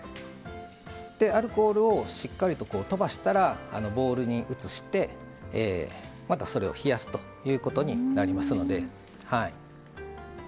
アルコールをしっかりととばしたらボウルに移して、またそれを冷やすということになります。